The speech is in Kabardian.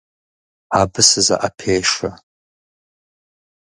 Абы сызэӏэпешэ.